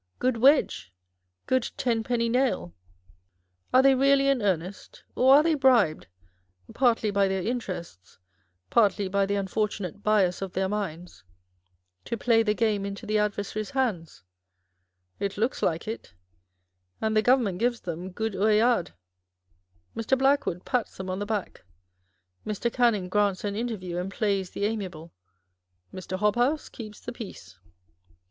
good wedge ! good tenpenny nail ! Are they really in earnest, or are they bribed, partly by their interests, partly by the unfortunate bias of their minds, to play the game into the adversary's hands ? It looks like it ; and the Government gives them " good ceillades " â€" Mr. Blackwood pats them on the back â€" Mr. Canning grants an interview and plays the amiable â€" Mr. Hobhouse keeps the peace.